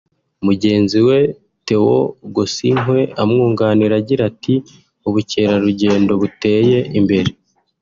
Mugenzi we Theo Kgosinkwe amwunganira agira ati “…ubukerarugendo buteye imbere